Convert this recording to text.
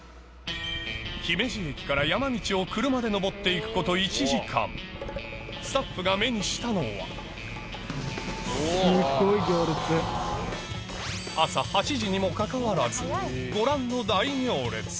姫路駅から山道を車で上って行くこと１時間スタッフが目にしたのはにもかかわらずご覧の大行列